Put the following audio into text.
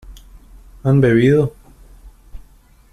¿han bebido?